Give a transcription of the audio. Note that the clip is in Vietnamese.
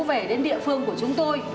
về đến địa phương của chúng tôi